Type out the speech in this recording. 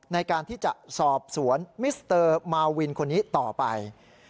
ในการที่จะสอบสวนมิสเตอร์มาวินคนนี้ต่อไป